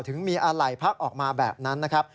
ถึงมีอะไรพักออกมาแบบนั้นนะครับ